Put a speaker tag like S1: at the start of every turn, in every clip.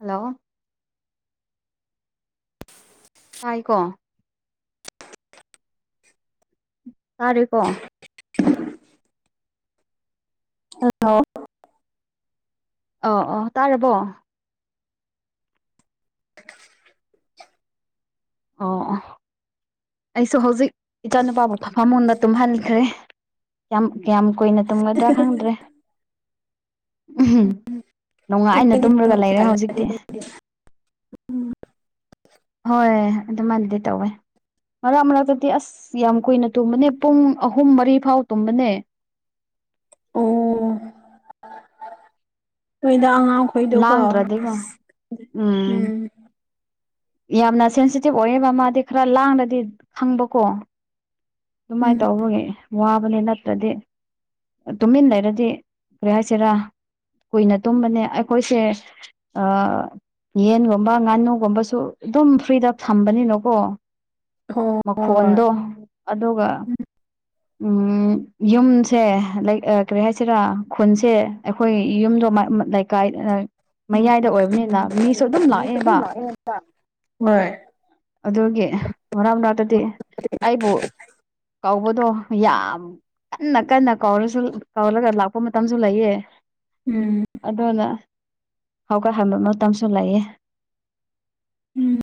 S1: Hello ꯍꯥꯏꯥꯏꯀꯣ ꯇꯥꯔꯦꯀꯣ
S2: ꯎꯟ ꯍꯜꯂꯣ
S1: ꯑ ꯑꯣ ꯇꯥꯔꯕꯣ ꯑꯣ ꯑꯣ ꯑꯩꯁꯨ ꯍꯧꯖꯤꯛ ꯏꯆꯥꯅꯨꯄꯥꯕꯨ ꯐꯐꯝꯗ ꯇꯨꯝꯍꯟꯈ꯭ꯔꯦ꯫ ꯌꯥꯝꯌꯥꯝ ꯀꯌꯥꯝ ꯀꯨꯏꯅ ꯇꯨꯝꯒꯗ꯭ꯔꯥ ꯈꯪꯗ꯭ꯔꯦ ꯎꯝ ꯅꯣꯡꯉꯥ ꯑꯩꯅ ꯇꯨꯝꯔꯒ ꯂꯩꯔꯦ ꯍꯧꯖꯤꯛꯇꯤ ꯍꯣꯏ ꯑꯗꯨꯃꯥꯏꯅꯗꯤ ꯇꯧꯋꯦ ꯃꯔꯛ ꯃꯔꯛꯇꯗꯤ ꯑꯁ ꯌꯥꯝ ꯀꯨꯏꯅ ꯇꯨꯝꯕꯅꯦ ꯄꯨꯡ ꯑꯍꯨꯝ ꯃꯔꯤ ꯐꯥꯎ ꯇꯨꯝꯕꯅꯦ
S2: ꯅꯣꯏꯗ ꯑꯉꯥꯡꯈꯣꯏꯗꯀꯣ ꯑ
S1: ꯂꯥꯡꯗ꯭ꯔꯗꯤꯀꯣ
S2: ꯎꯝ
S1: ꯌꯥꯝꯅ ꯁꯦꯟꯁꯤꯇꯤꯞ ꯑꯣꯏꯌꯦꯕ ꯃꯥꯗꯤ ꯈꯔ ꯂꯥꯡꯂꯗꯤ ꯈꯪꯕꯀꯣ
S2: ꯎꯝ
S1: ꯑꯗꯨꯃꯥꯏꯅ ꯇꯧꯕꯒꯤ ꯋꯥꯕꯅꯤ ꯅꯠꯇ꯭ꯔꯗꯤ ꯇꯨꯝꯃꯤꯟꯅ ꯂꯩꯔꯗꯤ ꯀꯔꯤ ꯍꯥꯏꯁꯤꯔꯥ ꯀꯨꯏꯅ ꯇꯨꯝꯕꯅꯦ ꯑꯩꯈꯣꯏꯁꯦ ꯌꯦꯟꯒꯨꯝꯕ ꯉꯥꯅꯨꯒꯨꯝꯕꯁꯨ ꯑꯗꯨꯝ ꯐ꯭ꯔꯤꯗ ꯊꯝꯕꯅꯤꯅꯀꯣ
S2: ꯍꯣꯏ ꯍꯣꯏ
S1: ꯃꯈꯣꯟꯗꯣ ꯑꯗꯨꯒ ꯌꯨꯝꯁꯦ ꯂꯥꯏꯛ ꯀꯔꯤ ꯍꯥꯏꯁꯤꯔꯥ ꯈꯨꯟꯁꯦ ꯑꯩꯈꯣꯏ ꯌꯨꯝꯗꯣ ꯂꯥꯏꯛ ꯥꯀꯥꯏ ꯑ ꯃꯌꯥꯏꯗ ꯑꯣꯏꯕꯅꯤꯅ ꯃꯤꯁꯨ ꯑꯗꯨꯝ ꯂꯥꯛꯑꯦꯕ
S2: ꯄ ꯅꯣꯌ
S1: ꯑꯗꯨꯒꯤ ꯃꯔꯥꯡ ꯅꯥꯇꯗꯤ ꯑꯩꯕꯨ ꯀꯧꯕꯗꯣ ꯌꯥꯝ ꯀꯟꯅ ꯀꯟꯅ ꯀꯧꯔꯁꯨ ꯀꯧꯔꯒ ꯂꯥꯛꯄ ꯃꯇꯝꯁꯨ ꯂꯩꯌꯦ
S2: ꯎꯝ
S1: ꯑꯗꯨꯅ ꯍꯧꯒꯠꯍꯟꯕ ꯃꯇꯝꯁꯨ ꯂꯩꯌꯦ
S2: ꯎꯝ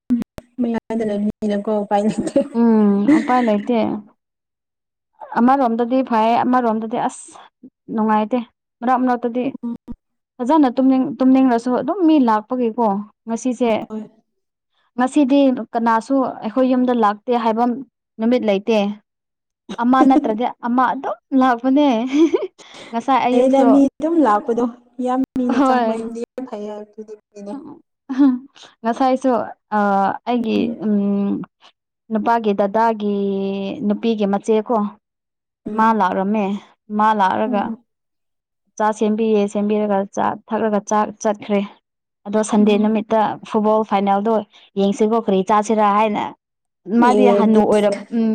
S2: ꯃꯌꯥꯥꯏꯗ ꯂꯩꯅꯤꯅꯀꯣ ꯎꯄꯥꯏ ꯂꯩꯇꯦ
S1: ꯎꯝ ꯎꯄꯥꯏ ꯂꯩꯥꯏꯇꯦ ꯑꯃꯔꯣꯝꯗꯗꯤ ꯐꯩ ꯑꯃꯔꯣꯝꯗꯗꯤ ꯑꯁ ꯅꯨꯡꯉꯥꯏꯇꯦ ꯃꯅꯥꯛꯅꯥ ꯗꯤ ꯐꯖꯅꯅꯤꯡ ꯇꯨꯝꯅꯤꯡꯔꯁꯨ ꯑꯗꯨꯝ ꯃꯤ ꯂꯥꯛꯄꯒꯤꯀꯣ ꯉꯁꯤꯁꯦ ꯉꯁꯤꯗꯤ ꯀꯅꯥꯁꯨ ꯑꯩꯈꯣꯏ ꯌꯨꯝꯗ ꯂꯥꯛ ꯇꯦ ꯍꯥꯏꯕꯝ ꯅꯨꯃꯤꯠ ꯂꯩꯇꯦ ꯑꯃ ꯅꯠꯇ꯭ꯔꯗꯤ ꯑꯃ ꯑꯗꯨꯝ ꯂꯥꯛꯕꯅꯦ
S2: ꯑꯩꯅ ꯃꯤ ꯑꯗꯨꯝ ꯂꯥꯛꯄꯗꯣ ꯌꯥꯝ ꯃꯤꯅ ꯆꯪꯕꯗꯤ ꯌꯥꯝ ꯐꯩ ꯍꯥꯏꯕꯗꯤ
S1: ꯎ ꯎ ꯉꯁꯥꯏꯁꯨ ꯑ ꯑꯩꯒꯤ ꯎꯝ ꯅꯨꯄꯥꯒꯤ ꯗꯗꯥꯒꯤ ꯅꯨꯄꯤꯒꯤ ꯃꯆꯦꯈꯣ ꯃꯥ ꯂꯥꯛꯔꯝꯃꯦ ꯃꯥ ꯂꯥꯛꯔꯒ ꯆꯥ ꯁꯦꯝꯕꯤꯌꯦ ꯁꯦꯝꯕꯤꯔꯒ ꯆꯥ ꯊꯛꯂꯒ ꯆꯥꯛ ꯆꯠꯈ꯭ꯔꯦ ꯑꯗꯣ ꯁꯟꯗꯦ ꯅꯨꯃꯤꯠꯇ ꯐꯨꯠꯕꯣꯜ ꯐꯥꯏꯅꯦꯜꯗꯣ ꯌꯦꯡꯁꯤꯀꯣ ꯀꯔꯤ ꯆꯥꯁꯤꯔꯥ ꯍꯥꯏꯅ ꯃꯥꯗꯤ
S2: ꯑꯦ
S1: ꯍꯟꯅꯨ
S2: ꯗꯤꯁ
S1: ꯑꯣꯏꯔꯕ ꯎꯝ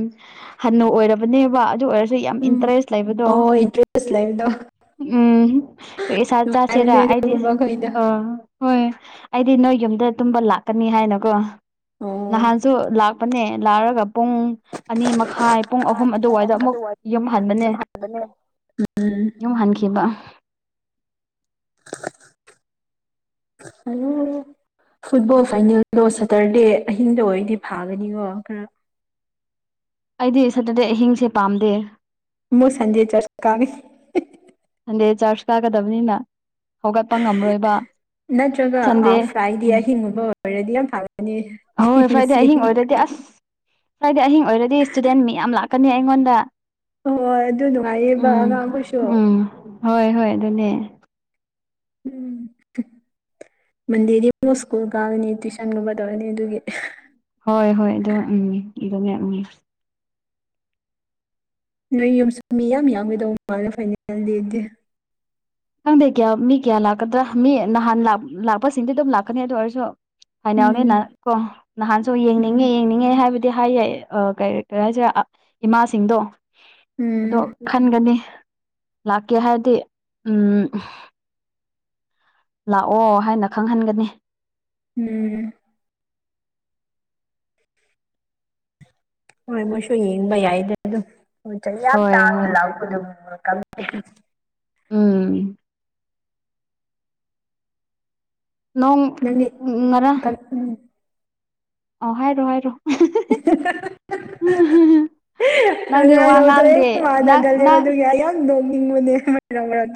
S1: ꯍꯟꯅꯨ ꯑꯣꯏꯔꯕꯅꯦꯕ ꯑꯗꯨ ꯑꯣꯏꯔ ꯁ ꯌꯥꯝ ꯏꯟꯇꯔꯦꯁ ꯂꯩꯕꯗꯣ
S2: ꯐꯁꯂꯗ
S1: ꯎꯝ ꯏꯁꯥ ꯆꯥꯁꯦꯔꯥ
S2: ꯅꯨꯡꯉꯥꯏꯕꯅꯦ
S1: ꯑꯩꯗꯤ
S2: ꯑꯗꯨꯒꯨꯝꯕ ꯑꯩꯈꯣꯏꯗꯣ
S1: ꯑꯥ ꯍꯣꯏ ꯑꯩꯗꯤ ꯅꯣꯏ ꯌꯨꯝꯗ ꯇꯨꯝꯕ ꯂꯥꯛꯀꯅꯤ ꯍꯥꯏꯅꯀꯣ
S2: ꯑꯣ
S1: ꯅꯍꯥꯟꯁꯨ ꯂꯥꯛꯄꯅꯦ ꯂꯥꯛꯑꯒ ꯄꯨꯡ ꯑꯅꯤ ꯃꯈꯥꯏ ꯄꯨꯡ ꯑꯍꯨꯝ
S2: ꯄꯨꯡ
S1: ꯑꯗꯨꯋꯥꯏꯗ
S2: ꯑꯍꯨꯝ
S1: ꯑꯃꯨꯛ
S2: ꯑꯗꯨꯋꯥꯏ
S1: ꯌꯨꯝꯍꯟꯕꯅꯦ
S2: [unintelligible] ꯎꯝ
S1: ꯌꯨꯝ ꯍꯟꯈꯤꯕ [inaudible]
S2: ꯑꯣ ꯐꯨꯠꯕꯣꯜ ꯐꯥꯏꯅꯦꯜꯗꯣ ꯁꯇꯔꯗꯦ ꯑꯍꯤꯡꯗ ꯑꯣꯏꯔꯗꯤ ꯐꯥꯒꯅꯤꯀꯣ ꯈꯔ
S1: ꯑꯩꯗꯤ ꯁꯇꯔꯗꯦ ꯑꯍꯤꯡꯁꯦ ꯄꯥꯝꯗꯦ
S2: ꯃꯣꯏ ꯁꯟꯗꯦ ꯆꯔꯆꯀꯥꯕꯤ
S1: ꯁꯟꯗꯦ ꯆꯥꯔꯆ ꯀꯥꯒꯗꯕꯅꯤꯅ ꯍꯧꯒꯠꯄ ꯉꯝꯔꯣꯏꯕ
S2: ꯅꯠꯇ꯭ꯔꯒ
S1: ꯁꯟꯗꯦ
S2: ꯐ꯭ꯔꯥꯏꯗꯤ
S1: ꯎꯝ
S2: ꯑꯍꯤꯡꯒꯨꯝꯕ ꯑꯣꯏꯔꯗꯤ ꯌꯥꯝ ꯐꯥꯒꯅꯤ
S1: ꯑꯍꯣꯏ ꯐ꯭ꯔꯥꯏꯗꯦ
S2: ꯌꯦꯁꯤ
S1: ꯑꯍꯤꯡ ꯑꯣꯏꯔꯗꯤ ꯑꯁ ꯐ꯭ꯔꯥꯏꯗꯦ ꯑꯍꯤꯡ ꯑꯣꯏꯔꯗꯤ ꯏꯁꯇꯨꯗꯦꯟ ꯃꯤꯌꯥꯝ ꯂꯥꯛꯀꯅꯤ ꯑꯩꯉꯣꯟꯗ
S2: ꯍꯣꯏ ꯍꯣꯏ ꯑꯗꯨ ꯅꯨꯡꯉꯥꯏꯌꯦꯕ
S1: ꯎꯝ
S2: ꯑꯉꯥꯡꯈꯁꯨ
S1: ꯎꯝ ꯍꯣꯏ ꯍꯣꯏ ꯑꯗꯨꯅꯦ
S2: ꯎꯝ ꯃꯟꯦꯗꯤꯁꯀꯨꯜ ꯀꯅꯤ [unintelligible] ꯒꯨꯝꯕ ꯇꯧꯔꯅꯤ ꯑꯗꯨꯒꯤ
S1: ꯍꯣꯏ ꯍꯣꯏ ꯑꯗꯣ ꯎꯝ ꯑꯗꯨꯅꯦ ꯎꯝ
S2: ꯅꯣꯏ ꯌꯨꯝꯁꯨ ꯃꯤ ꯌꯥꯝ ꯌꯥꯝꯒꯗꯧꯕ ꯃꯥꯜꯂꯦ ꯐꯥꯏꯅꯦꯜ [unintelligible] ꯗꯒꯤꯗꯤ
S1: ꯈꯪꯗꯦ ꯀꯌꯥ ꯃꯤ ꯀꯌꯥ ꯂꯥꯛꯀꯗ꯭ꯔꯥ ꯃꯤ ꯅꯍꯥꯟ ꯂꯥꯛ ꯂꯥꯛꯄꯁꯤꯡꯗꯨ ꯗꯨꯝ ꯂꯥꯛꯀꯅꯤ ꯑꯗꯨ ꯑꯣꯏꯔꯁꯨ
S2: ꯎꯝ
S1: ꯐꯥꯏꯅꯦꯜꯅꯤꯅꯀꯣ ꯅꯍꯥꯟꯁꯨ
S2: ꯎꯝ
S1: ꯌꯦꯡꯅꯤꯡꯉꯦ ꯌꯦꯡꯅꯤꯡ ꯉꯦ ꯍꯥꯏꯕꯗꯤ ꯍꯥꯏ ꯑ ꯀꯩ ꯀꯩꯍꯥꯏꯁꯤꯔꯥ ꯑ ꯏꯃꯥꯁꯤꯡꯗꯣ
S2: ꯎꯝ
S1: ꯑꯗꯣ ꯈꯟꯒꯅꯤ ꯂꯥꯛꯀꯦ ꯍꯥꯏꯔꯗꯤ ꯎꯝ ꯂꯥꯛꯑꯣ ꯍꯥꯟꯅ ꯈꯪꯍꯟꯒꯅꯤ
S2: ꯎꯝ ꯍꯣꯏ ꯃꯣꯏꯁꯨ ꯌꯦꯡꯕ ꯌꯥꯏꯗ ꯑꯗꯨꯝ ꯆꯍꯤ ꯌꯥꯝ
S1: ꯍꯣꯏ ꯍꯣꯏ
S2: ꯇꯥꯡꯅ ꯂꯥꯛꯄꯗꯨꯕꯨ ꯋꯥꯜ ꯀꯞꯀꯤ
S1: ꯎꯝ ꯅꯣꯡ
S2: ꯅꯪꯒꯤ
S1: ꯉꯥꯔꯥꯡ
S2: ꯎꯝ
S1: ꯑꯣ ꯍꯥꯏꯔꯣ ꯍꯥꯏꯔꯣ
S2: [unintelligible]
S1: ꯅꯪꯗꯤ
S2: ꯑꯉꯥꯡ
S1: ꯋꯥ
S2: ꯂꯧꯗꯣ ꯑꯩ
S1: ꯉꯥꯡꯗꯦ
S2: ꯃꯥꯅ
S1: ꯅꯪ
S2: ꯒꯜꯂꯦꯕ
S1: ꯅꯪ
S2: ꯑꯗꯨꯒꯤ ꯑꯩ ꯌꯥꯝ ꯅꯣꯡꯅꯤꯡꯕꯅꯦ [unintelligible]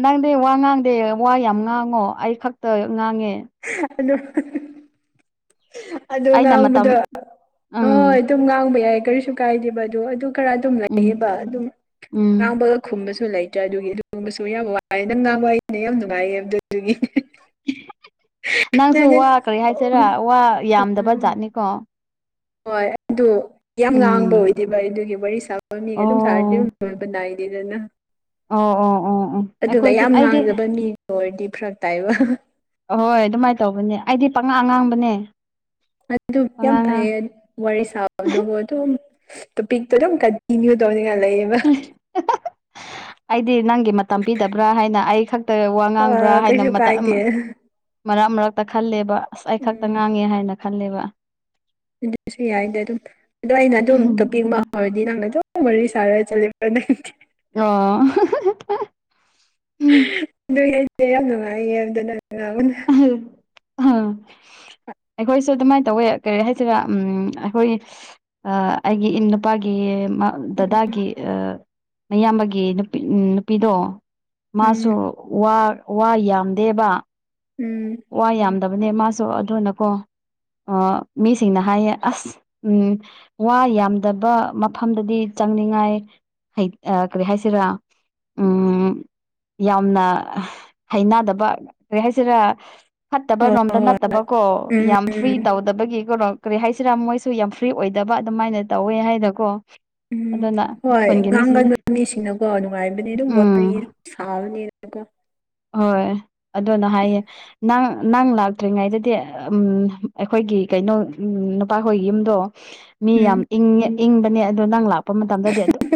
S1: ꯅꯪꯗꯤ ꯋꯥ ꯉꯥꯡꯗꯦ ꯋꯥ ꯌꯥꯝ ꯉꯥꯡꯉꯣ ꯑꯩ ꯈꯛꯇ ꯉꯥꯡꯉꯦ
S2: ꯑꯗꯨ
S1: ꯑꯩꯅ ꯃꯇꯝ
S2: ꯉꯥꯡꯕꯗꯣ ꯍꯣꯏ
S1: ꯎꯝ
S2: ꯑꯗꯨꯝ ꯉꯥꯡꯕ ꯌꯥꯏ ꯀꯔꯤꯁꯨ ꯀꯥꯏꯗꯦꯕ ꯑꯗꯨ ꯑꯗꯨ ꯈꯔ ꯑꯗꯨꯝ
S1: ꯎꯝ
S2: ꯂꯩꯌꯦꯕ ꯑꯗꯨꯝ
S1: ꯎꯝ
S2: ꯉꯥꯡꯕ ꯈꯨꯝꯕꯁꯨ ꯂꯩꯇ꯭ꯔꯦ ꯑꯗꯨꯒꯤ ꯑꯗꯨꯒꯨꯝꯕꯁꯨ ꯌꯥꯝ ꯋꯥꯏꯑꯦ ꯅꯪ ꯉꯥꯡꯕꯏꯅꯦ ꯌꯥꯝ ꯅꯨꯡꯉꯥꯏꯌꯦ ꯑꯗꯨꯗꯨꯒꯤ
S1: ꯅꯪꯁꯨ ꯋꯥ ꯀꯔꯤ ꯍꯥꯏꯁꯤꯔꯥ ꯋꯥ ꯌꯥꯝꯗꯕ ꯖꯥꯠꯅꯤꯀꯣ
S2: ꯍꯣꯏ ꯑꯗꯨ ꯌꯥꯝ ꯉꯥꯡꯕ
S1: ꯎꯝ
S2: ꯑꯣꯏꯗꯦꯕ ꯑꯩ ꯑꯗꯨꯒꯤ ꯋꯥꯔꯤ ꯁꯥꯕ ꯃꯤꯒ ꯑꯗꯨꯝ ꯁꯥꯔꯗꯤꯕ
S1: ꯑꯣ
S2: ꯂꯣꯏꯕ ꯅꯥꯏꯗꯦꯗꯅ
S1: ꯑꯣ ꯑꯣ ꯑꯣ ꯑꯣ
S2: ꯑꯗꯨꯒ
S1: ꯑꯩꯈꯣꯏꯗꯤ
S2: ꯌꯥꯝ
S1: ꯑꯩꯗꯤ
S2: ꯉꯥꯡꯗꯕ ꯃꯤꯒ ꯑꯣꯏꯔꯗꯤ ꯐꯔꯛ ꯇꯥꯏꯕ
S1: ꯑꯍꯣꯏ ꯑꯗꯨꯃꯥꯏꯅ ꯇꯧꯕꯅꯦ ꯑꯩꯗꯤ ꯄꯥꯉꯥ ꯑ꯫ꯉꯥꯡꯕꯅꯦ
S2: ꯑꯗꯨ ꯌꯥꯝ ꯐꯩꯌꯦ ꯋꯥꯔꯤ ꯁꯥ ꯑꯗꯨꯕꯨ ꯑꯗꯨꯝ ꯇꯣꯄꯤꯛꯇꯣ ꯑꯗꯨꯝ ꯀꯟꯇꯤꯅ꯭ꯌꯨ ꯇꯧꯅꯤꯡꯉꯥꯏ ꯂꯩꯌꯦꯕ
S1: ꯑꯩꯗꯤ ꯅꯪꯒꯤ ꯃꯇꯝ ꯄꯤꯗꯕ꯭ꯔꯥ ꯍꯥꯏꯅ ꯑꯩ ꯈꯛ ꯋꯥ
S2: ꯑꯥ
S1: ꯉꯥꯡꯕ꯭ꯔꯥ ꯍꯥꯏꯅ
S2: ꯀꯩꯁꯨ
S1: ꯃꯇꯝ
S2: ꯀꯥꯏꯗꯦ
S1: ꯑꯃ ꯃꯔꯛ ꯃꯔꯛꯇ ꯈꯜꯂꯦꯕ ꯑꯁ ꯑꯩ ꯈꯛꯇ
S2: ꯎꯝ
S1: ꯉꯥꯡꯉꯦ ꯍꯥꯏꯅ ꯈꯜꯂꯦꯕ
S2: ꯑꯗꯨꯁꯨ ꯌꯥꯏꯗ ꯑꯗꯨꯝ ꯑꯗꯣ ꯑꯩꯅ ꯑꯗꯨꯝ ꯇꯣꯄꯤꯛꯃꯥ ꯍꯧꯔꯗꯤ ꯅꯪꯅ ꯗꯨꯝ ꯋꯥꯔꯤ ꯁꯥꯔꯦ ꯆꯠꯂꯦꯕ [unintelligible]
S1: ꯑꯣ
S2: ꯑꯗꯨ ꯑꯩꯁꯦ ꯌꯥꯝ ꯅꯨꯡꯉꯥꯏꯌꯦ ꯑꯝꯇ ꯅꯪ ꯉꯥꯡꯉꯨꯅꯦ
S1: [unintelligible] ꯑꯩꯈꯣꯏꯁꯨ ꯑꯗꯨꯃꯥꯏꯅ ꯇꯧꯋꯦ ꯀꯔꯤ ꯍꯥꯏꯁꯤꯔꯥ ꯎꯝ ꯑꯩꯈꯣꯏ ꯑ ꯑꯩꯒꯤ ꯏꯟ ꯅꯨꯄꯥꯒꯤ ꯗꯥꯗꯥꯒꯤ ꯃꯌꯥꯝꯕꯒꯤ ꯅꯨꯄꯤ ꯅꯨꯄꯤꯗꯣ
S2: ꯎꯝ
S1: ꯃꯥꯁꯨ ꯋꯥ ꯋꯥ ꯌꯥꯝꯗꯦꯕ
S2: ꯎꯝ
S1: ꯋꯥ ꯌꯥꯝꯗꯕꯅꯦ ꯃꯥꯁꯨ ꯑꯗꯨꯅꯀꯣ ꯑ ꯃꯤꯁꯤꯡꯅ ꯍꯥꯏꯌꯦ ꯑꯁ ꯎꯝ ꯋꯥ ꯌꯥꯝꯗꯕ ꯃꯐꯝꯗꯗꯤ ꯆꯪꯅꯤꯡꯉꯥꯏ ꯂꯩ ꯑ ꯀꯔꯤ ꯍꯥꯏꯁꯤꯔꯥ ꯎꯝ ꯌꯥꯝꯅ ꯍꯩꯅꯗꯕ ꯀꯔꯤ ꯍꯥꯏꯁꯤꯔꯥ ꯐꯠꯇꯕ
S2: ꯍꯣꯏ
S1: ꯔꯣꯝꯗ
S2: ꯍꯣꯏ ꯍꯣꯏ
S1: ꯅꯠꯇꯕꯀꯣ ꯌꯥꯝ
S2: ꯎꯝ
S1: ꯐ꯭ꯔꯤ
S2: ꯎꯝ
S1: ꯇꯧꯗꯕꯒꯤ ꯀꯩꯅꯣ ꯀꯔꯤ ꯍꯥꯏꯁꯤꯔꯥ ꯃꯣꯏ ꯌꯥꯝ ꯐ꯭ꯔꯤ ꯑꯣꯏꯗꯕ ꯑꯗꯨꯃꯥꯏꯅ ꯇꯧꯋꯦ ꯍꯥꯏꯅꯀꯣ
S2: ꯎꯝ
S1: ꯑꯗꯨꯅ
S2: ꯍꯣꯏ
S1: ꯈꯨꯟꯒꯤ ꯃꯤꯁꯤꯡ
S2: ꯉꯥꯡꯒꯟꯕ ꯃꯤꯁꯤꯡꯅꯀꯣ ꯅꯨꯡꯉꯥꯏꯕꯅꯦ ꯑꯗꯨꯝ ꯋꯥꯔꯤ
S1: ꯎꯝ
S2: ꯁꯥꯕꯅꯤꯅꯀꯣ
S1: ꯍꯣꯏ ꯑꯗꯨꯅ ꯍꯥꯏꯌꯦ ꯅꯪ ꯅꯪ ꯂꯥꯛꯇ꯭ꯔꯤꯉꯩꯗꯗꯤ ꯎꯝ ꯑꯩꯈꯣꯏꯒꯤ ꯀꯩꯅꯣ ꯎꯝ ꯅꯨꯄꯥꯈꯣꯏꯒꯤ ꯌꯨꯝꯗꯣ ꯃꯤ
S2: ꯎꯝ
S1: ꯌꯥꯝ ꯏꯪꯉꯦ ꯏꯪꯕꯅꯦ ꯑꯗꯣ ꯅꯪ ꯂꯥꯛꯄ ꯃꯇꯝꯗꯗꯤ ꯑꯗꯨꯝ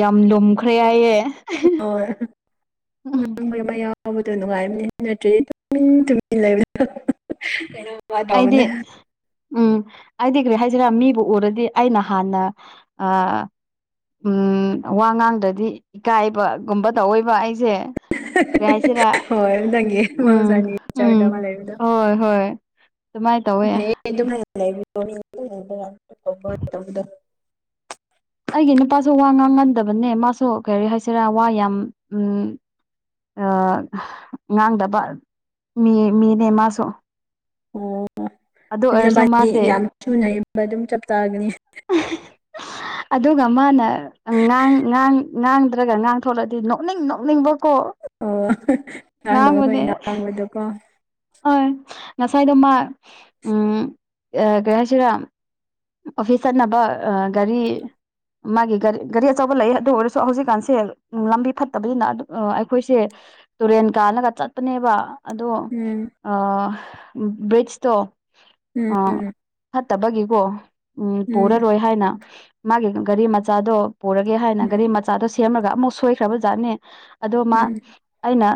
S1: ꯌꯥꯝ ꯂꯨꯝꯈ꯭ꯔꯦ ꯍꯥꯏꯌꯦ
S2: [inaudible] [unintelligible] ꯅꯨꯡꯉꯥꯏꯕꯅꯦ ꯅꯠꯇ꯭ꯔꯦꯗꯤ ꯇꯨꯃꯤꯟ ꯇꯨꯃꯤꯟ ꯂꯩꯕꯗꯣ [unintelligible]
S1: ꯑꯗꯦ ꯎꯝ ꯑꯩꯗꯤ ꯀꯔꯤ ꯍꯥꯏꯁꯤꯔꯥ ꯃꯤꯕꯨ ꯎꯔꯗꯤ ꯑꯩꯅ ꯍꯥꯟꯅ ꯑ ꯎꯝ ꯋꯥ ꯉꯥꯡꯗꯔꯗꯤ ꯏꯀꯥꯏꯕ ꯒꯨꯝꯕ ꯇꯧꯏꯕ ꯑꯩꯁꯦ ꯀꯔꯤ ꯍꯥꯏꯁꯤꯔꯥ
S2: ꯍꯣꯏ ꯅꯪꯒꯤ ꯃꯍꯧꯁꯥ
S1: ꯎꯝ_ꯎꯝ
S2: ꯅꯦꯆꯔꯗ ꯑꯃ ꯂꯩꯕꯗꯣ
S1: ꯍꯣꯏ_ ꯍꯣꯏ ꯑꯗꯨꯃꯥꯏꯅ ꯇꯧꯋꯦ
S2: ꯑꯗꯨ ꯂꯩꯕꯤꯔꯣꯗꯣ
S1: ꯑꯩꯒꯤ ꯅꯨꯄꯥꯁꯨ ꯋꯥ ꯉꯥꯡꯍꯟꯗꯕꯅꯦ ꯃꯥꯁꯨ ꯀꯔꯤꯔꯤ ꯍꯥꯏꯁꯤꯔꯥ ꯋꯥ ꯌꯥꯝ ꯎꯝ ꯑ ꯉꯥꯡꯗꯕ ꯃꯤ ꯃꯤꯅꯦ ꯃꯥꯁꯨ ꯑꯗꯨ
S2: ꯑꯣ
S1: ꯑꯣꯏꯔꯁꯨ
S2: ꯕꯥꯅꯤ
S1: ꯃꯥꯁꯦ
S2: ꯌꯥꯝ ꯊꯨꯅꯩ ꯑꯗꯨꯝ ꯆꯞ ꯆꯥꯒꯅꯤ
S1: ꯑꯗꯨꯒ ꯃꯥꯅ ꯉꯥꯡ ꯉꯥꯡ ꯉꯥꯡꯗ꯭ꯔꯒ ꯉꯥꯡꯊꯣꯛꯂꯗꯤ ꯅꯣꯛꯅꯤꯡ ꯅꯣꯛꯅꯤꯡꯕꯀꯣ
S2: ꯑꯣ ꯉꯥꯡꯗꯕꯈꯣꯏ
S1: ꯉꯥꯡꯕꯅꯦ
S2: ꯉꯥꯡꯕꯗꯣꯀꯣ
S1: ꯍꯣꯏ ꯉꯁꯥꯏꯗꯣ ꯃꯥ ꯎꯝ ꯀꯩ ꯍꯥꯏꯁꯤꯔꯥ ꯑꯣꯐꯤꯁ ꯆꯠꯅꯕ ꯒꯥꯔꯤ ꯃꯥꯒꯤ ꯒꯥꯔꯤ ꯒꯥꯔꯤ ꯑꯆꯧꯕ ꯂꯩ ꯑꯗꯨ ꯑꯣꯏꯔꯁꯨ ꯍꯧꯖꯤꯛꯀꯥꯟꯁꯦ ꯎꯝ ꯂꯝꯕꯤ ꯐꯠꯇꯕꯗꯨꯅ ꯑꯗꯨ ꯑꯩꯈꯣꯏꯁꯦ ꯇꯨꯔꯦꯟ ꯀꯥꯟꯂꯒ ꯆꯠꯄꯅꯦꯕ ꯑꯗꯣ
S2: ꯎꯝ
S1: ꯑ ꯕ꯭ꯔꯤꯖꯇꯣ
S2: ꯎꯝ
S1: ꯐꯠꯇꯕꯒꯤꯀꯣ ꯎꯝ ꯄꯨꯔꯔꯣꯏ ꯍꯥꯏꯅ ꯃꯥꯒꯤ ꯒꯥꯔꯤ ꯃꯆꯥꯗꯣ ꯄꯨꯔꯒꯦ ꯍꯥꯏꯅ
S2: ꯎꯝ
S1: ꯒꯥꯔꯤ ꯃꯆꯥꯗꯣ ꯁꯦꯝꯃꯒ ꯑꯃꯨꯛ ꯁꯣꯏꯈ꯭ꯔꯕ ꯖꯥꯠꯅꯦ ꯑꯗꯣ ꯃꯥ
S2: ꯎꯝ ꯎꯝ
S1: ꯑꯩꯅ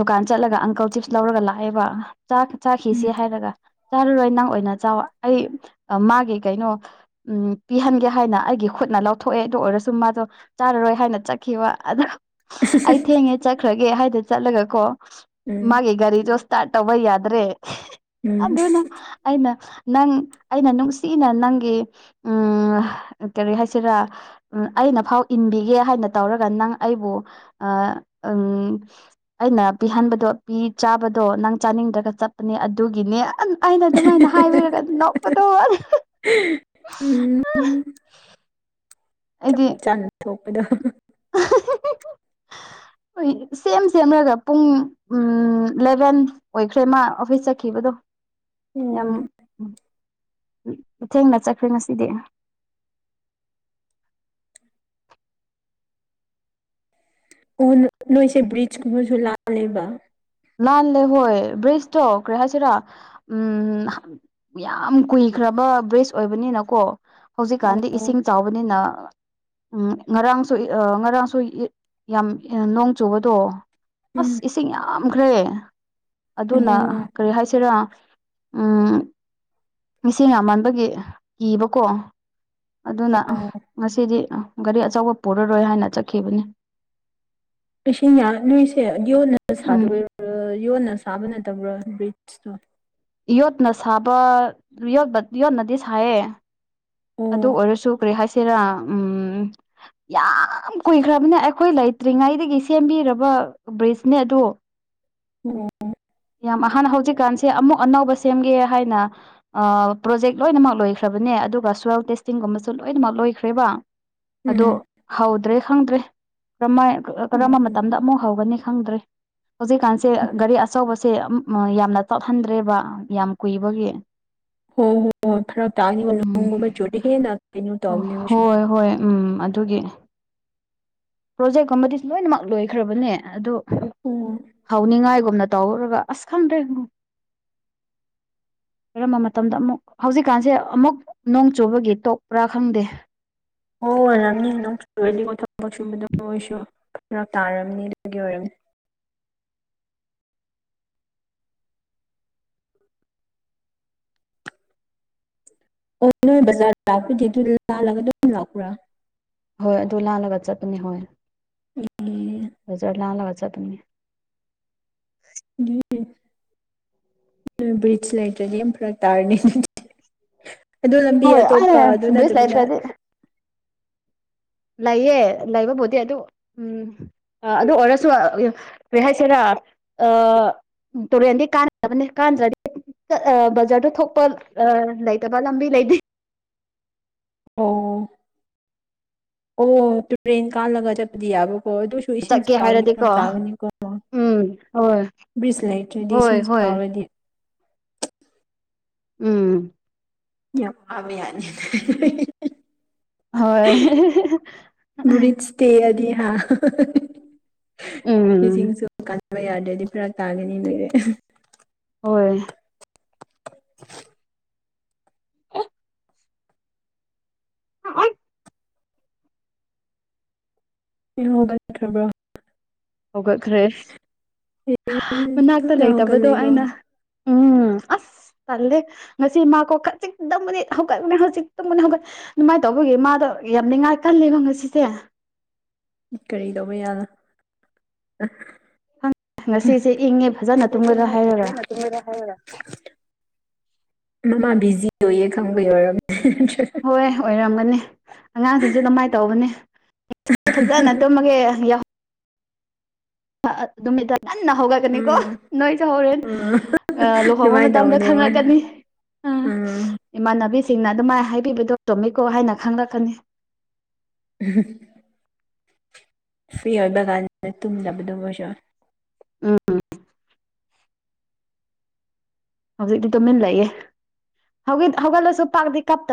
S1: ꯗꯨꯀꯥꯟ ꯆꯠꯂꯒ ꯑꯪꯀꯜ ꯆꯤꯞꯁ ꯂꯧꯔꯒ ꯂꯥꯛꯑꯦꯕ ꯆꯥ
S2: ꯎꯝ
S1: ꯆꯥꯈꯤꯁꯤ ꯍꯥꯏꯔꯒ ꯆꯥꯔꯔꯣꯏ ꯅꯪ ꯑꯣꯏꯅ ꯆꯥꯎ ꯑꯩ ꯃꯥꯒꯤ ꯀꯩꯅꯣ ꯎꯝ ꯄꯤꯍꯟꯒꯦ ꯍꯥꯏꯅ ꯑꯩꯒꯤ ꯈꯨꯠꯅ ꯂꯧꯊꯣꯛꯑꯦ ꯑꯗꯨ ꯑꯣꯏꯔꯁꯨ ꯃꯥꯗꯣ ꯆꯥꯔꯔꯣꯏ ꯍꯥꯏꯅ ꯆꯠꯈꯤꯕ ꯑꯗ ꯑꯩ ꯊꯦꯡꯉꯦ ꯆꯠꯈ꯭ꯔꯒꯦ ꯍꯥꯏꯗꯅ ꯆꯠꯂꯒ ꯀꯣ ꯃꯥꯒꯤ ꯒꯥꯔꯤꯗꯣ ꯏꯁꯇꯥꯔꯠ ꯇꯧꯕ ꯌꯥꯗ꯭ꯔꯦ
S2: ꯎꯝ
S1: ꯑꯗꯨꯅ ꯑꯩꯅ ꯅꯪ ꯑꯩꯅ ꯅꯨꯡ ꯁꯤꯅ ꯅꯪꯒꯤ ꯎꯝ ꯀꯔꯤ ꯍꯥꯏꯁꯤꯔꯥ ꯎꯝ ꯑꯩꯅ ꯐꯥꯎ ꯏꯟꯕꯤꯒꯦ ꯍꯥꯏꯅ ꯇꯧꯔꯒ ꯅꯪ ꯑꯩꯕꯨ ꯑ ꯎꯝ ꯑꯩꯅ ꯄꯤꯍꯟꯕꯗꯣ ꯄꯤ ꯆꯥꯕꯗꯣ ꯅꯪ ꯆꯥꯅꯤꯡꯗ꯭ꯔꯒ ꯆꯠꯄꯅꯦ ꯑꯗꯨꯒꯤꯅꯦ ꯑꯩꯅ ꯑꯗꯨꯃꯥꯏꯅ ꯍꯥꯏꯕꯤꯔꯒ ꯑꯗꯨ ꯅꯣꯛꯄꯗꯣ
S2: ꯎꯝ ꯆꯞ ꯆꯥꯅ ꯊꯣꯛꯄꯗ
S1: ꯍꯣꯏ ꯁꯦꯝ ꯁꯦꯝꯔꯒ ꯄꯨꯡ ꯎꯝ ꯏꯂꯚꯦꯟ ꯑꯣꯏꯈ꯭ꯔꯦꯃ ꯑꯣꯐꯤꯁ ꯆꯠꯈꯤꯕꯗꯣ ꯌꯥꯝ
S2: ꯎꯝ
S1: ꯊꯦꯡꯅ ꯆꯠꯈ꯭ꯔꯦ ꯉꯁꯤꯗꯤ
S2: ꯑꯣ ꯅꯣꯏꯁꯦ ꯕ꯭ꯔꯤꯖꯀꯨꯝꯕꯁꯨ ꯂꯥꯜꯂꯦꯕ
S1: ꯂꯥꯟ ꯂꯩꯦ ꯍꯣꯏ ꯭ ꯕꯔꯤꯖꯇ ꯀꯦꯔꯤ ꯍꯩꯁꯤꯔꯥ ꯎꯝ ꯌꯥꯝ ꯀꯨꯏꯈ꯭ꯔꯕ ꯕ꯭ꯔꯤꯖ ꯑꯣꯏꯕꯅꯤꯅꯀꯣ ꯍꯧꯖꯤꯛꯀꯥꯟꯗꯤ
S2: ꯑꯣ
S1: ꯏꯁꯤꯡ ꯆꯥꯎꯕꯅꯤꯅ ꯎꯝ ꯉꯔꯥꯡꯁꯨ ꯑ ꯉꯔꯥꯡꯁꯨ ꯏ ꯌꯥꯝ ꯅꯣꯡ ꯆꯨꯕꯗꯣ
S2: ꯎꯝ
S1: ꯑꯁ ꯏꯁꯤꯡ ꯌꯥꯝꯈ꯭ꯔꯦ ꯑꯗꯨꯅ
S2: ꯑꯣ
S1: ꯀꯔꯤ ꯍꯥꯏꯁꯤꯔꯣ ꯎꯝ ꯃꯤꯁꯤꯡ ꯌꯥꯝꯟꯕꯒꯤ ꯀꯤꯕꯀꯣ ꯑꯗꯨꯅ
S2: ꯑꯣ
S1: ꯉꯁꯤꯗꯤ ꯒꯥꯔꯤ ꯑꯆꯧꯕ ꯄꯨꯔꯔꯣꯏ ꯍꯥꯏꯅ ꯆꯠꯈꯤꯕꯅꯤ
S2: ꯂꯤꯁꯤꯡ ꯌꯥ ꯅꯣꯏꯁꯦ ꯌꯣꯟꯅ
S1: ꯎꯝ
S2: ꯁꯥꯗꯣꯏ꯭ꯔꯥ ꯌꯣꯟꯅ ꯁꯥꯕ ꯅꯠꯇꯕ꯭ꯔꯥ ꯕ꯭ꯔꯤꯖꯇꯣ
S1: ꯌꯣꯠꯅ ꯁꯥꯕ ꯌꯣꯠꯅꯗꯤ ꯁꯥꯏꯌꯦ ꯑꯗꯨ
S2: ꯑꯣ
S1: ꯑꯣꯏꯔꯁꯨ ꯀꯔꯤ ꯍꯥꯏꯁꯤꯔꯥ ꯎꯝ ꯌꯥꯝ ꯀꯨꯏꯈ꯭ꯔꯕꯅꯦ ꯑꯩꯈꯣꯏ ꯂꯩꯇ꯭ꯔꯤꯉꯩꯗꯒꯤ ꯁꯦꯝꯕꯤꯔꯕ ꯕ꯭ꯔꯤꯖꯅꯦ ꯑꯗꯣ
S2: [unintelligible]
S1: ꯌꯥꯝ ꯑꯍꯥꯟꯅ ꯍꯧꯖꯤꯛꯀꯥꯟꯁꯦ ꯑꯃꯨꯛ ꯑꯅꯧꯕ ꯁꯦꯝꯒꯦ ꯍꯥꯏꯅ ꯑ ꯄ꯭ꯔꯣꯖꯦꯛ ꯂꯣꯏꯅꯃꯛ ꯂꯣꯏꯈ꯭ꯔꯕꯅꯦ ꯑꯗꯨꯒ ꯁꯣꯏꯜ ꯇꯦꯁꯇꯤꯡꯒꯨꯝꯕꯁꯨ ꯂꯣꯏꯅꯃꯛ ꯂꯣꯏꯈ꯭ꯔꯦꯕ ꯑꯗꯣ ꯍꯧꯗ꯭ꯔꯦ ꯈꯪꯗ꯭ꯔꯦ ꯀꯔꯝꯃꯥꯏ
S2: ꯎꯝ ꯍꯣ
S1: ꯀꯔꯝꯕ ꯃꯇꯝꯗ ꯑꯃꯨꯛ ꯍꯧꯒꯅꯤ ꯈꯪꯗ꯭ꯔꯤ ꯍꯧꯖꯤꯛꯀꯥꯟꯁꯦ ꯒꯥꯔꯤ ꯑꯁ__ ꯑꯆꯧꯕꯁꯦ ꯌꯥꯝꯅ ꯊꯧꯍꯟꯗ꯭ꯔꯦꯕ ꯌꯥꯝ ꯀꯨꯏꯕꯒꯤ
S2: ꯍꯣ ꯍꯣ ꯍꯣ ꯐꯔꯛ ꯇꯥꯒꯤꯕ
S1: ꯎꯝ
S2: ꯅꯣꯡꯒꯨꯝꯕ ꯆꯨꯔꯗꯤ ꯍꯦꯟꯅ ꯀꯩꯅꯣ ꯇꯧꯕꯅꯤ꯫
S1: ꯍꯣꯏ ꯍꯣꯏ ꯎꯝ ꯑꯗꯨꯒꯤ ꯄ꯭ꯔꯣꯖꯦꯛ ꯀꯨꯝꯕꯗꯤꯁꯤ ꯂꯣꯏꯅꯃꯛ ꯂꯣꯏꯈ꯭ꯔꯕꯅꯦ ꯑꯗꯨ
S2: ꯎꯝ
S1: ꯍꯧꯅꯤꯡꯉꯥꯏꯒꯨꯝꯅ ꯇꯧꯔꯒ ꯑꯁ ꯈꯪꯗ꯭ꯔꯦ ꯀꯔꯝꯕ ꯃꯇꯝꯗ ꯑꯃꯨꯛ ꯍꯧꯖꯤꯛꯀꯥꯟꯁꯦ ꯑꯃꯨꯛ ꯅꯣꯡ ꯆꯨꯕꯒꯤ ꯇꯣꯛꯄ꯭ꯔꯥ ꯈꯪꯗꯦ
S2: ꯍꯣꯏ ꯑꯣꯏꯔꯝꯅꯤ ꯅꯣꯡ ꯆꯨꯔꯗꯤ ꯊꯕꯛ ꯁꯨꯕꯗꯣ ꯃꯣꯏꯁꯨ ꯐꯔꯛ ꯇꯥꯔꯝꯅꯤ ꯑꯗꯨꯒꯤ ꯑꯣꯏꯔꯝꯅꯤ ꯑꯣ ꯅꯣꯏ ꯕꯖꯥꯔꯗ ꯂꯥꯛꯄꯗꯤ ꯑꯗꯨ ꯂꯥꯜꯂꯒ ꯑꯗꯨꯝ ꯂꯥꯛꯄ꯭ꯔꯥ
S1: ꯍꯣꯏ ꯑꯗꯨ ꯂꯥꯜꯂꯒ ꯆꯠꯄꯅꯦ ꯍꯣꯏ
S2: ꯑꯦ
S1: ꯕꯖꯥꯔ ꯂꯥꯜꯂꯒ ꯆꯠꯄꯅꯦ
S2: ꯎꯝ ꯕ꯭ꯔꯤꯖ ꯂꯩꯇ꯭ꯔꯗꯤ ꯌꯥꯝ ꯐꯔꯛ ꯇꯥꯔꯅꯤ ꯑꯗꯨ ꯂꯝꯕꯤ
S1: ꯍꯣꯏ
S2: ꯑꯇꯣꯞꯄ
S1: ꯑꯩꯅ
S2: ꯑꯗꯨ
S1: ꯕꯦꯁ
S2: ꯅꯠꯇꯕꯤꯗ
S1: ꯂꯩꯇ꯭ꯔꯗꯤ ꯂꯩꯌꯦ ꯂꯩꯕꯕꯨꯗꯤ ꯑꯗꯨ ꯎꯝ ꯑ ꯑꯗꯨ ꯑꯣꯏꯔꯁꯨ ꯀꯩ ꯍꯥꯏꯁꯦꯔꯥ ꯑ ꯇꯧꯔꯦꯟꯗꯤ ꯀꯥꯅꯗꯔ꯭ꯕꯅꯤ [unintelligible] ꯕꯖꯥꯔꯗ ꯊꯣꯛꯄ ꯑ ꯂꯩꯇꯕ ꯂꯝꯕꯤ ꯂꯩꯇꯦ
S2: ꯑꯣ ꯑꯣ ꯇꯨꯔꯦꯟ ꯀꯥꯜꯂꯒ ꯆꯠꯄꯗꯤ ꯌꯥꯕꯀꯣ ꯑꯗꯨꯁꯨ ꯏꯁꯤꯡ
S1: ꯆꯠꯀꯦ
S2: ꯆꯥꯎꯔꯗꯤ
S1: ꯍꯥꯏꯔꯗꯤꯀꯣ
S2: ꯐꯔꯛ ꯇꯥꯒꯅꯤꯀꯣ
S1: ꯎꯝ ꯍꯣꯏ
S2: ꯕꯔ꯭ꯤꯁ ꯂꯩꯇ꯭ꯔꯗꯤ
S1: ꯍꯣꯏ
S2: ꯏꯁꯤꯡꯁꯨ
S1: ꯍꯣꯏ
S2: ꯆꯥꯎꯔꯗꯤ
S1: ꯎꯝ
S2: ꯉꯥ ꯐꯥꯕ ꯌꯥꯅꯤ
S1: ꯍꯣꯏ
S2: ꯕ꯭ꯔꯤꯖ ꯇꯦꯛꯑꯗꯤ ꯍꯥ [unintelligible]
S1: ꯎꯝ
S2: ꯃꯤꯁꯤꯡꯁꯨ [unintelligible] ꯀꯥꯟꯕ ꯌꯥꯗ꯭ꯔꯗꯤ ꯐꯔꯛ ꯇꯥꯒꯅꯤ ꯂꯣꯏꯔꯦ [unintelligible]
S1: ꯍꯣꯏ
S2: [inaudible]
S1: ꯑꯦ ꯑꯁ
S2: ꯍꯧꯒꯠꯈꯔ꯭ꯕꯣ
S1: ꯍꯧꯒꯠꯈ꯭ꯔꯦ
S2: ꯎꯝ
S1: ꯃꯅꯥꯛꯇ
S2: ꯊꯨꯅ
S1: ꯂꯩꯇꯕꯗꯣ
S2: ꯍꯧꯒꯠꯂꯦꯀꯣ
S1: ꯑꯩꯅ ꯎꯝ ꯑꯁ ꯇꯜꯂꯦ ꯉꯁꯤ ꯃꯥꯀꯣ ꯈꯖꯤꯛ ꯇꯨꯝꯃꯅꯤ ꯍꯧꯒꯠ ꯍꯧꯖꯤꯛ ꯇꯨꯝꯃꯅꯤ ꯍꯧꯒꯠ ꯃꯥꯏꯅ ꯇꯧꯕꯒꯤ ꯃꯥꯗꯣ ꯌꯥꯝ ꯅꯤꯡꯉꯥꯏ ꯀꯜꯂꯦꯕ ꯉꯁꯤꯁꯦ
S2: ꯀꯔꯤ ꯇꯧꯕ ꯌꯥꯔꯣꯏ
S1: ꯉꯁꯤꯁꯦ ꯏꯪꯉꯦ ꯐꯖꯅ ꯇꯨꯝꯂꯔ ꯍꯥꯏꯔꯒ
S2: ꯊꯗ ꯍꯥꯏꯒ ꯃꯃꯥ ꯕꯤꯖꯤ ꯑꯣꯏꯌꯦ ꯈꯪꯕꯩ ꯑꯣꯏꯔꯝꯅꯤ ꯅꯠꯇ꯭ꯔ
S1: ꯍꯣꯏ ꯑꯣꯏꯔꯝꯒꯅꯤ ꯑꯉꯥꯡꯁꯤꯡꯁꯨ ꯑꯗꯨꯃꯥꯏꯅ ꯇꯧꯕꯅꯦ ꯐꯖꯅ ꯇꯨꯝꯃꯒꯦ ꯌꯥꯎ ꯅꯨꯃꯤꯠꯇ ꯉꯟꯅ ꯍꯧꯒꯠꯀꯅꯤꯀꯣ
S2: ꯎꯝ
S1: ꯅꯣꯏꯁꯨ ꯍꯣꯔꯦꯟ
S2: ꯎꯝ
S1: ꯑ ꯂꯨꯍꯣꯡꯕ
S2: ꯑꯗꯨꯃꯥꯏꯅ
S1: ꯃꯇꯝꯗ
S2: ꯇꯧꯕꯅꯦ ꯃꯣꯏ
S1: ꯈꯪꯂꯛꯀꯅꯤ ꯑ
S2: ꯎꯝ
S1: ꯏꯃꯥꯟꯅꯕꯤꯁꯤꯡꯅ ꯑꯗꯨꯃꯥꯏꯅ ꯍꯥꯏꯕꯤꯕꯗꯣ ꯆꯣꯝꯃꯤꯀꯣ ꯍꯥꯏꯅ ꯈꯪꯂꯛꯀꯅꯤ
S2: ꯎꯝ ꯐ꯭ꯔꯤ ꯑꯣꯏꯕ ꯀꯥꯟꯗ ꯇꯨꯝꯗꯕꯗꯨ ꯃꯣꯏꯁꯨ
S1: ꯎꯝ [unintelligible] ꯍꯧꯖꯤꯛꯇꯤ ꯇꯨꯃꯤꯟ ꯂꯩꯑꯦ ꯍꯧ ꯍꯧꯒꯠꯂꯁꯨ ꯄꯥꯛ ꯀꯞ